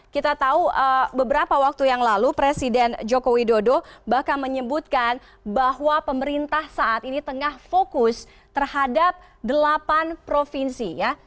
kita tahu beberapa waktu yang lalu presiden joko widodo bahkan menyebutkan bahwa pemerintah saat ini tengah fokus terhadap delapan provinsi ya